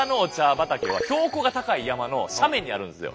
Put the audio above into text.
畑は標高が高い山の斜面にあるんですよ。